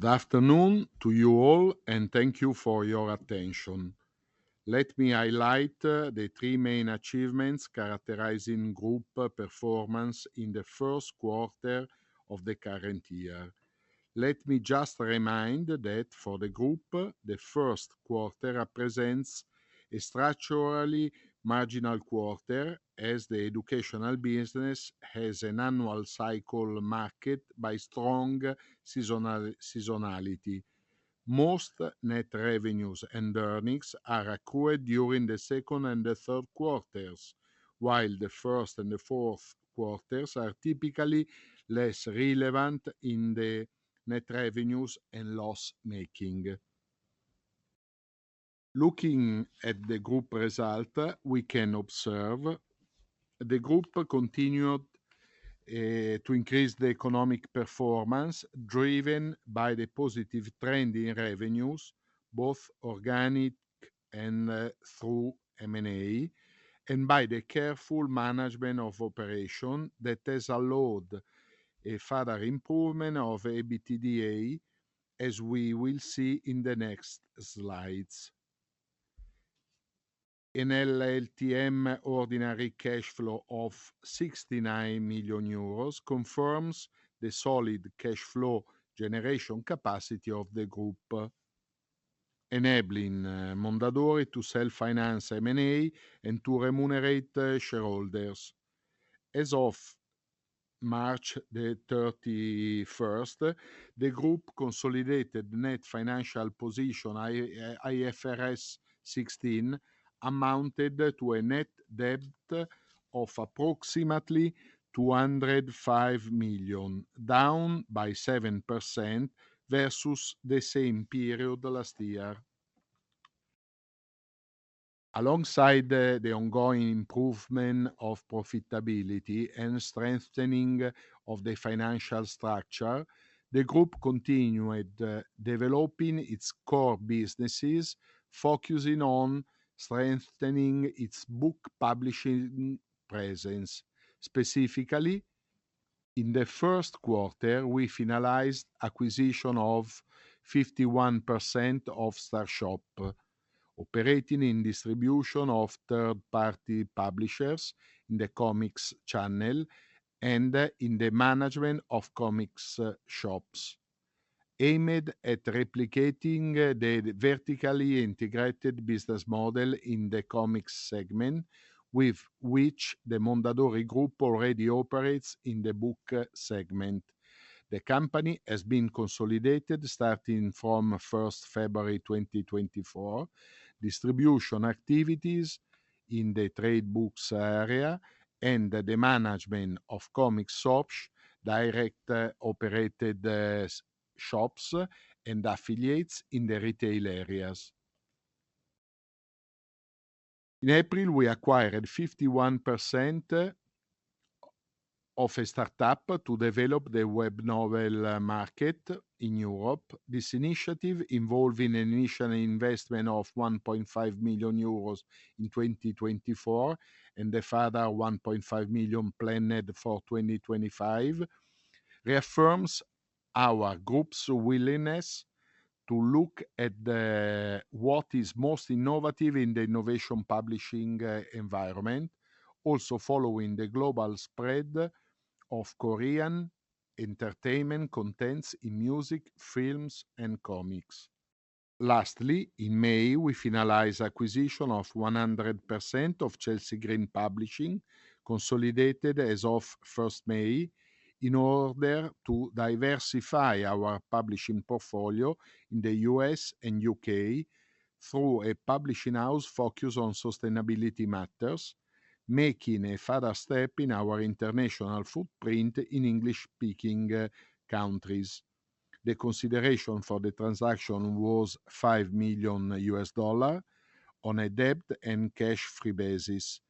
Good afternoon to you all, and thank you for your attention. Let me highlight the three main achievements characterizing Group performance in the first quarter of the current year. Let me just remind that, for the Group, the first quarter represents a structurally marginal quarter as the educational business has an annual cycle marked by strong seasonality. Most net revenues and earnings are accrued during the second and the third quarters, while the first and the fourth quarters are typically less relevant in the net revenues and loss-making. Looking at the Group result, we can observe: the Group continued to increase the economic performance driven by the positive trend in revenues, both organic and through M&A, and by the careful management of operations that has allowed a further improvement of EBITDA, as we will see in the next slides. An LTM ordinary cash flow of 69 million euros confirms the solid cash flow generation capacity of the Group, enabling Mondadori to self-finance M&A and to remunerate shareholders. As of March 31st, the Group consolidated net financial position IFRS 16 amounted to a net debt of approximately 205 million, down by 7% versus the same period last year. Alongside the ongoing improvement of profitability and strengthening of the financial structure, the Group continued developing its core businesses, focusing on strengthening its book publishing presence. Specifically, in the first quarter we finalized acquisition of 51% of Star Shop, operating in distribution of third-party publishers in the comics channel and in the management of comics shops, aimed at replicating the vertically integrated business model in the comics segment with which the Mondadori Group already operates in the book segment. The company has been consolidated starting from 1 February 2024, distribution activities in the trade books area, and the management of comics shops, directly operated shops, and affiliates in the retail areas. In April we acquired 51% of a startup to develop the web novel market in Europe. This initiative involved an initial investment of 1.5 million euros in 2024 and a further 1.5 million planned for 2025, reaffirms our Group's willingness to look at what is most innovative in the innovation publishing environment, also following the global spread of Korean entertainment contents in music, films, and comics. Lastly, in May we finalized acquisition of 100% of Chelsea Green Publishing, consolidated as of 1 May, in order to diversify our publishing portfolio in the US and UK through a publishing house focused on sustainability matters, making a further step in our international footprint in English-speaking countries. The consideration for the transaction was $5 million on a debt and cash-free basis,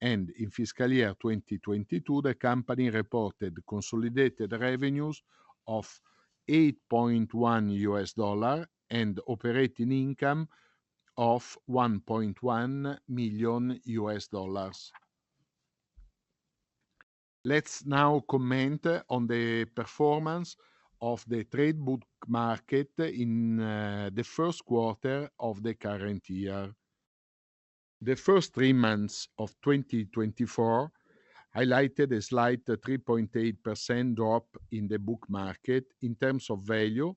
and in fiscal year 2022 the company reported consolidated revenues of $8.1 and operating income of $1.1 million. Let's now comment on the performance of the trade book market in the first quarter of the current year. The first three months of 2024 highlighted a slight 3.8% drop in the book market in terms of value,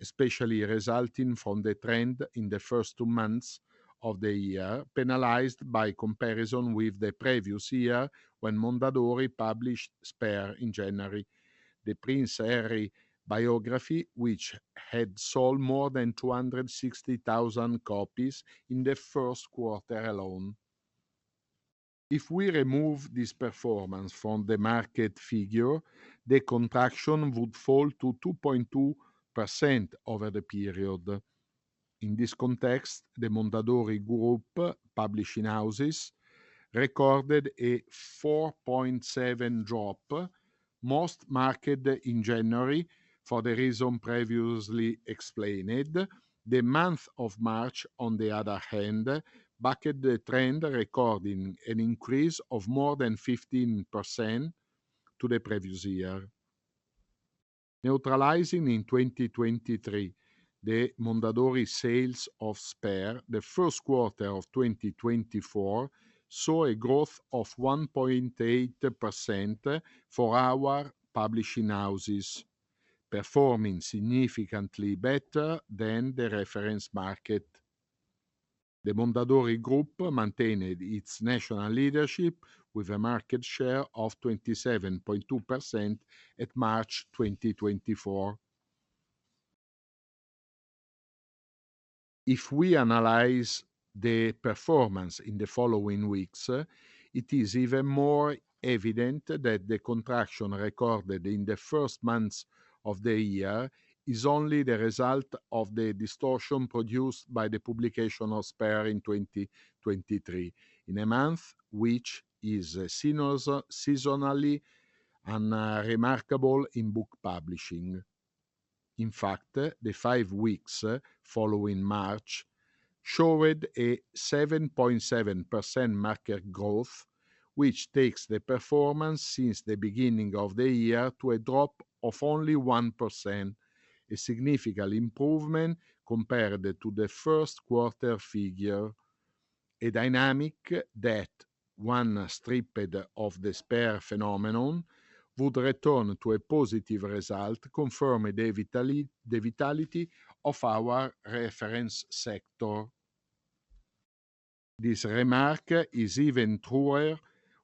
especially resulting from the trend in the first two months of the year penalized by comparison with the previous year when Mondadori published "Spare" in January, the Prince Harry biography which had sold more than 260,000 copies in the first quarter alone. If we remove this performance from the market figure, the contraction would fall to 2.2% over the period. In this context, the Mondadori Group publishing houses recorded a 4.7% drop, most marked in January for the reason previously explained. The month of March, on the other hand, backed the trend recording an increase of more than 15% to the previous year. Neutralizing in 2023, the Mondadori sales of "Spare" the first quarter of 2024 saw a growth of 1.8% for our publishing houses, performing significantly better than the reference market. The Mondadori Group maintained its national leadership with a market share of 27.2% at March 2024. If we analyze the performance in the following weeks, it is even more evident that the contraction recorded in the first months of the year is only the result of the distortion produced by the publication of "Spare" in 2023, in a month which is seasonally unremarkable in book publishing. In fact, the five weeks following March showed a 7.7% market growth, which takes the performance since the beginning of the year to a drop of only 1%, a significant improvement compared to the first quarter figure. A dynamic that, when stripped of the "Spare" phenomenon, would return to a positive result confirming the vitality of our reference sector. This remark is even truer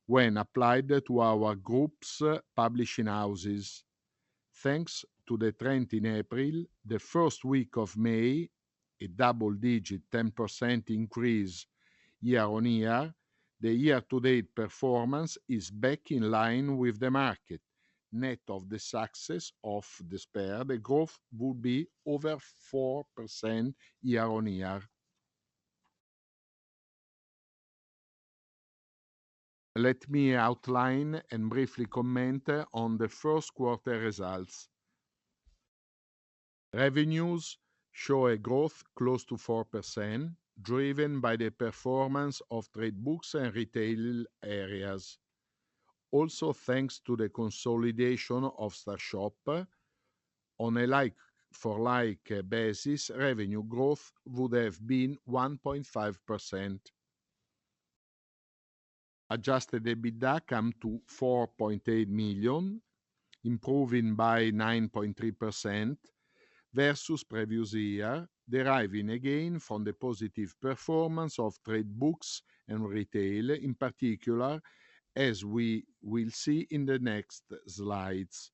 when applied to our Group's publishing houses. Thanks to the trend in April, the first week of May, a double-digit 10% increase year-on-year, the year-to-date performance is back in line with the market. Net of the success of the "Spare", the growth would be over 4% year-on-year. Let me outline and briefly comment on the first quarter results. Revenues show a growth close to 4%, driven by the performance of trade books and retail areas. Also thanks to the consolidation of Star Shop, on a like-for-like basis revenue growth would have been 1.5%. Adjusted EBITDA came to 4.8 million, improving by 9.3% versus previous year, deriving again from the positive performance of trade books and retail, in particular, as we will see in the next slides.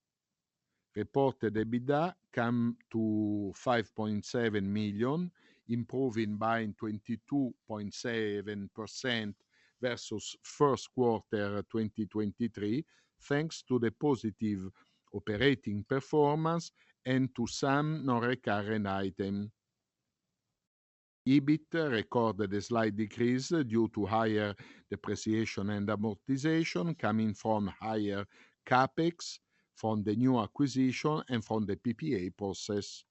Reported EBITDA came to 5.7 million, improving by 22.7% versus first quarter 2023, thanks to the positive operating performance and to some non-recurring items. EBIT recorded a slight decrease due to higher depreciation and amortization, coming from higher Capex, from the new acquisition, and from the PPA process.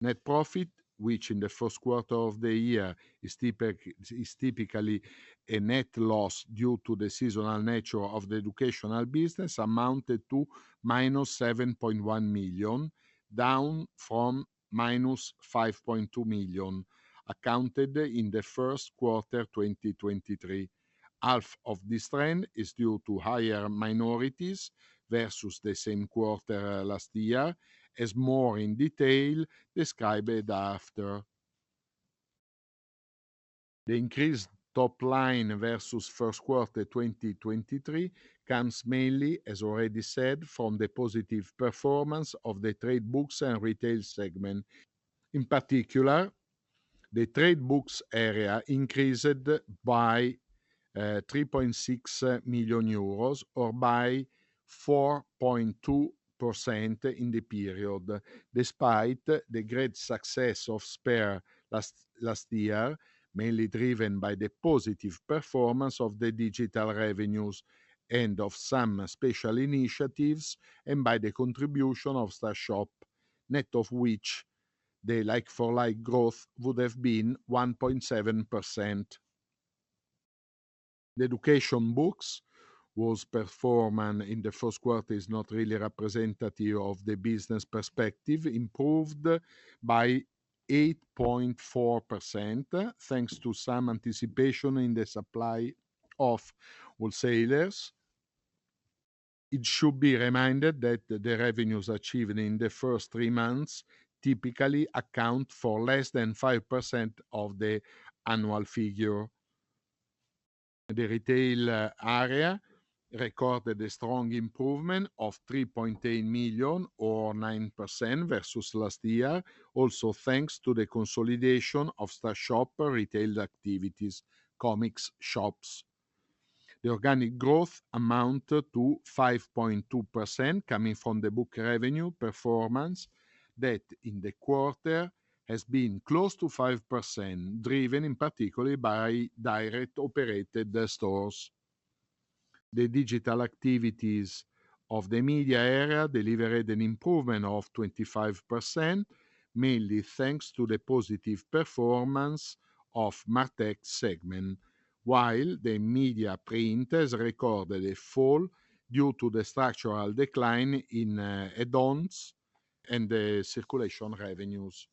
Net profit, which in the first quarter of the year is typically a net loss due to the seasonal nature of the educational business, amounted to -7.1 million, down from -5.2 million, accounted in the first quarter 2023. Half of this trend is due to higher minorities versus the same quarter last year, as more in detail described after. The increased top line versus first quarter 2023 comes mainly, as already said, from the positive performance of the trade books and retail segment. In particular, the trade books area increased by 3.6 million euros or by 4.2% in the period, despite the great success of "Spare" last year, mainly driven by the positive performance of the digital revenues and of some special initiatives, and by the contribution of Star Shop, net of which the like-for-like growth would have been 1.7%. The education books, whose performance in the first quarter is not really representative of the business perspective, improved by 8.4%, thanks to some anticipation in the supply of wholesalers. It should be reminded that the revenues achieved in the first three months typically account for less than 5% of the annual figure. The retail area recorded a strong improvement of 3.8 million or 9% versus last year, also thanks to the consolidation of Star Shop retail activities, comics shops. The organic growth amounted to 5.2%, coming from the book revenue performance that, in the quarter, has been close to 5%, driven in particular by directly operated stores. The digital activities of the media area delivered an improvement of 25%, mainly thanks to the positive performance of MarTech segment, while the media print has recorded a fall due to the structural decline in add-ons and the circulation revenues.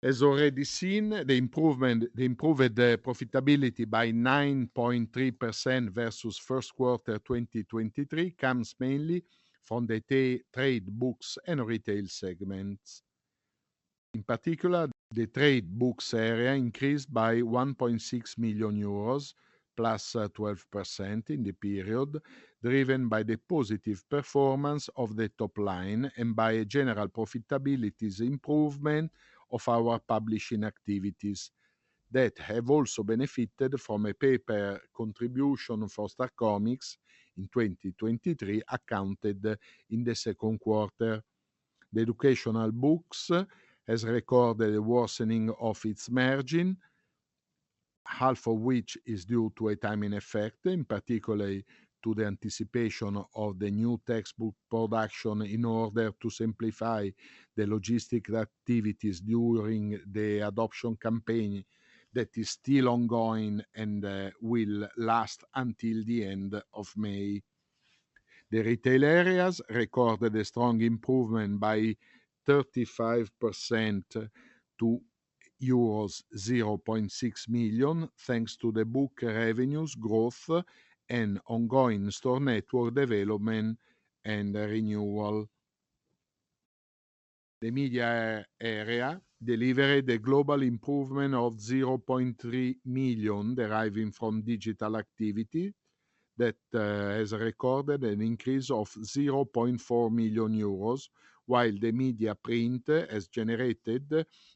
As already seen, the improved profitability by 9.3% versus first quarter 2023 comes mainly from the trade books and retail segments. In particular, the trade books area increased by 1.6 million euros, +12% in the period, driven by the positive performance of the top line and by a general profitability improvement of our publishing activities that have also benefited from a paper contribution for Star Comics in 2023, accounted in the second quarter. The educational books have recorded a worsening of its margin, half of which is due to a timing effect, in particular to the anticipation of the new textbook production in order to simplify the logistic activities during the adoption campaign that is still ongoing and will last until the end of May. The retail areas recorded a strong improvement by 35% to euros 0.6 million, thanks to the book revenues growth and ongoing store network development and renewal. The media area delivered a global improvement of 0.3 million, deriving from digital activity that has recorded an increase of 0.4 million euros, while the media print has generated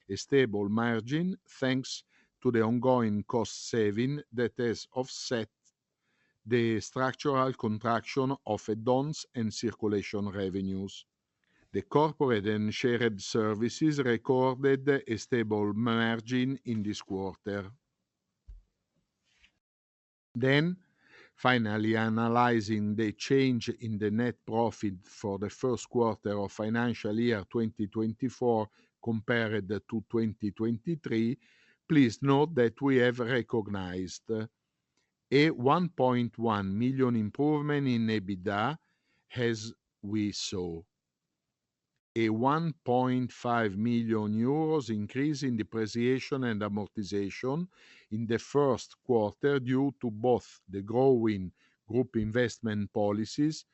a stable margin thanks to the ongoing cost savings that have offset the structural contraction of add-ons and circulation revenues. The corporate and shared services recorded a stable margin in this quarter. Then, finally analyzing the change in the net profit for the first quarter of financial year 2024 compared to 2023, please note that we have recognized: a 1.1 million improvement in EBITDA, as we saw. A 1.5 million euros increase in depreciation and amortization in the first quarter due to both the growing Group investment policies,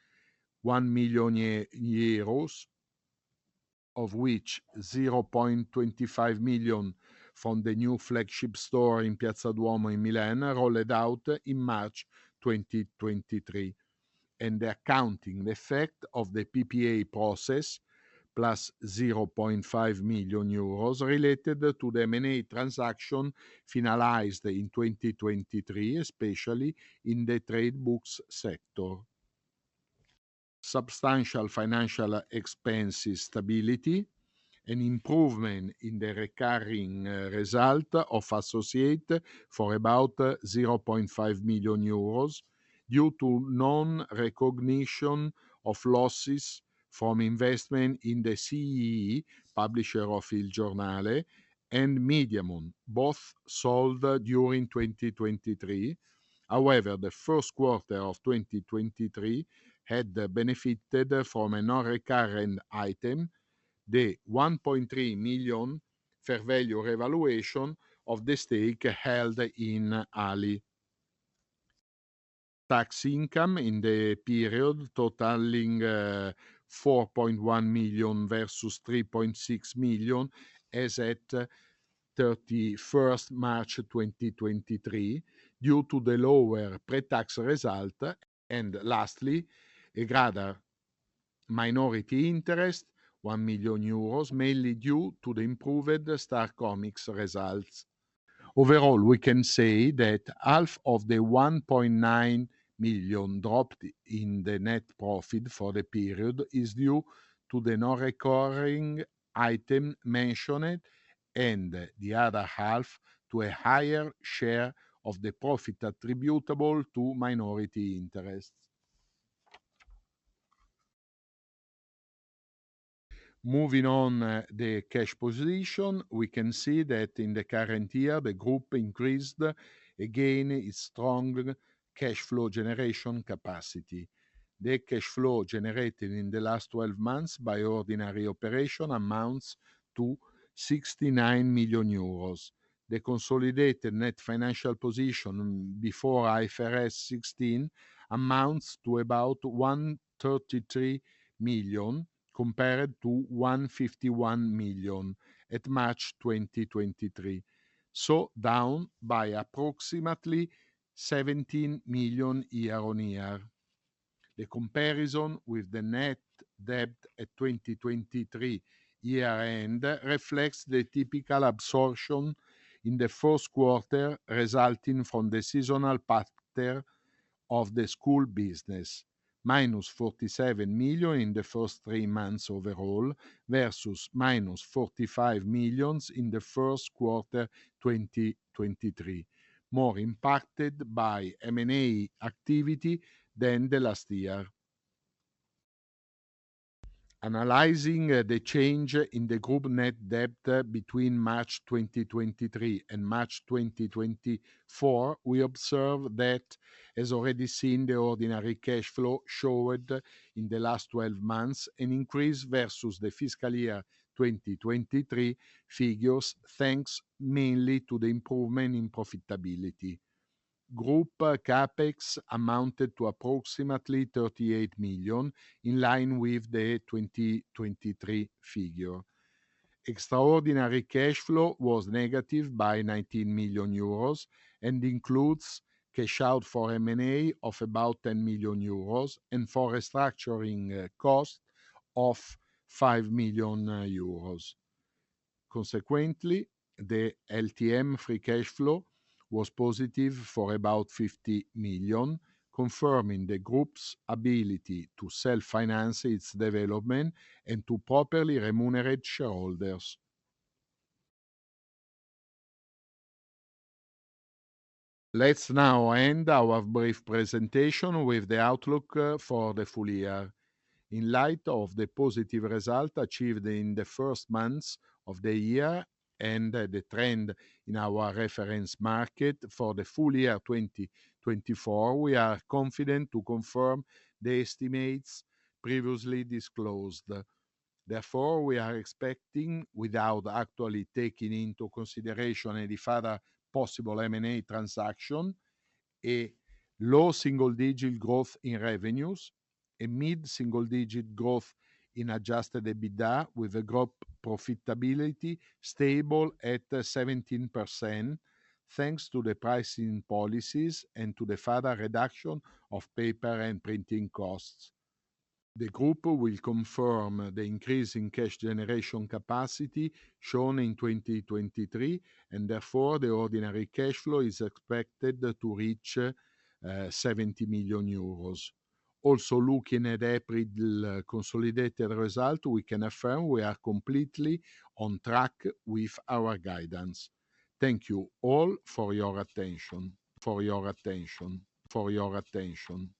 1 million euros, of which 0.25 million from the new flagship store in Piazza Duomo in Milan rolled out in March 2023, and the accounting effect of the PPA process, plus 0.5 million euros related to the M&A transaction finalized in 2023, especially in the trade books sector. Substantial financial expenses stability, an improvement in the recurring result of Associate for about 0.5 million euros due to non-recognition of losses from investment in the SEE, publisher of Il Giornale, and Mediamond, both sold during 2023. However, the first quarter of 2023 had benefited from a non-recurring item, the 1.3 million fair value revaluation of the stake held in ALI. Tax income in the period totaling 4.1 million versus 3.6 million as at 31st March 2023, due to the lower pre-tax result, and lastly, a greater minority interest, 1 million euros, mainly due to the improved Star Comics results. Overall, we can say that half of the 1.9 million dropped in the net profit for the period is due to the non-recurring item mentioned and the other half to a higher share of the profit attributable to minority interests. Moving on the cash position, we can see that in the current year the Group increased again its strong cash flow generation capacity. The cash flow generated in the last 12 months by ordinary operation amounts to 69 million euros. The consolidated net financial position before IFRS 16 amounts to about 133 million compared to 151 million at March 2023, so down by approximately 17 million year-on-year. The comparison with the net debt at 2023 year-end reflects the typical absorption in the first quarter resulting from the seasonal pattern of the school business, -47 million in the first three months overall versus -45 million in the first quarter 2023, more impacted by M&A activity than the last year. Analyzing the change in the Group net debt between March 2023 and March 2024, we observe that, as already seen, the ordinary cash flow showed in the last 12 months an increase versus the fiscal year 2023 figures, thanks mainly to the improvement in profitability. Group Capex amounted to approximately 38 million, in line with the 2023 figure. Extraordinary cash flow was negative by 19 million euros and includes cash out for M&A of about 10 million euros and for restructuring costs of 5 million euros. Consequently, the LTM free cash flow was positive for about 50 million, confirming the Group's ability to self-finance its development and to properly remunerate shareholders. Let's now end our brief presentation with the outlook for the full year. In light of the positive result achieved in the first months of the year and the trend in our reference market for the full year 2024, we are confident to confirm the estimates previously disclosed. Therefore, we are expecting, without actually taking into consideration any further possible M&A transaction, a low single-digit growth in revenues, a mid-single-digit growth in adjusted EBITDA, with a group profitability stable at 17%, thanks to the pricing policies and to the further reduction of paper and printing costs. The Group will confirm the increase in cash generation capacity shown in 2023, and therefore the ordinary cash flow is expected to reach 70 million euros. Also, looking at April's consolidated result, we can affirm we are completely on track with our guidance. Thank you all for your attention. For your attention. For your attention.